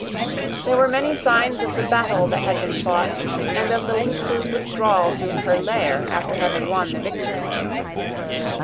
There were many signs of the battle that had been fought, and of the lynx's withdrawal to her lair after having won the victory.